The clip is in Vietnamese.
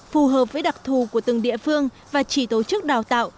phù hợp với đặc thù của từng địa phương và chỉ tổ chức đào tạo